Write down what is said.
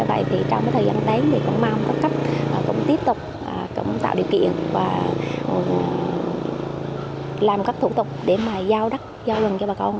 vậy thì trong thời gian tới thì cũng mong có cách cũng tiếp tục cũng tạo điều kiện và làm các thủ tục để mà giao đắc giao rừng cho bà công